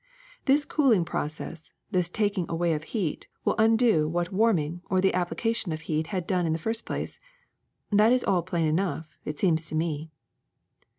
This cooling process, this taking away of heat, will undo what warming or the application of heat had done in the first place. That is all plain enough, it seems tome.